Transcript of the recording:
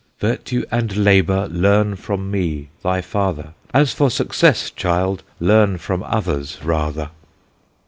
'Virtue and Labour learn from me thy Father, As for Success, Child, learn from others rather.'